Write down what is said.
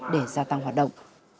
để gia tăng hoạt động